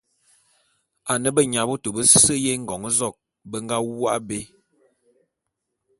Ane benyabôtô bese y'Engôn-zok be nga wôk abé.